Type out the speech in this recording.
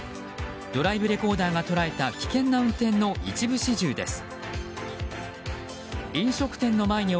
ドライブレコーダーが捉えた危険な運転の一部始終です。